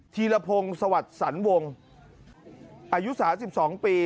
ธีรพงศ์สวัสดิ์สันวงอายุ๓๒ปี